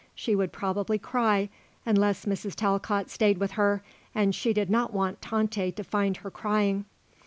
She would probably cry unless Mrs. Talcott stayed with her, and she did not want Tante to find her crying.